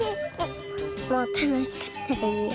もうたのしかった。